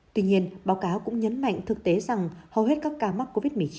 tuy nhiên báo cáo cũng nhấn mạnh thực tế rằng hầu hết các ca mắc covid một mươi chín